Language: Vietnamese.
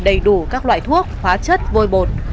đầy đủ các loại thuốc hóa chất vôi bột